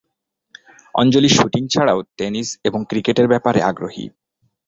অঞ্জলি shooting ছাড়াও tennis এবং ক্রিকেটের ব্যাপারে আগ্রহী।